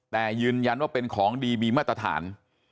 แต่ยืนยันว่าเป็นของดีมีมาตรฐาน